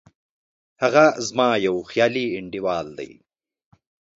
هغه زما یو خیالي انډیوال دی